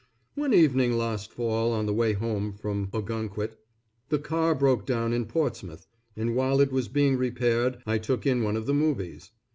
One evening last fall, on the way home from Ogunquit, the car broke down in Portsmouth, and while it was being repaired, I took in one of the movies.